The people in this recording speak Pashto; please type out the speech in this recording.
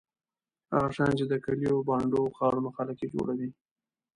هغه شیان چې د کلیو بانډو او ښارونو خلک یې جوړوي.